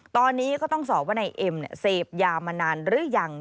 ตอนนี้ก็ต้องสอบว่านายเอ็มเสพยามานานหรือยัง